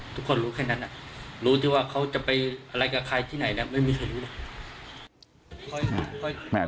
ทุกคนรู้แค่นั้นรู้ที่ว่าเขาจะไปอะไรกับใครที่ไหนแล้วไม่มีใครรู้